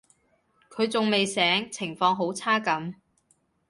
佢仲未醒，情況好差噉